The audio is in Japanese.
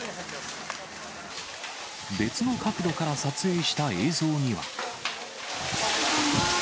別の角度から撮影した映像には。